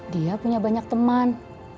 dia punya banyak teman